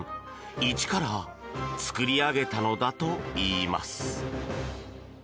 一から作り上げたのだといいます。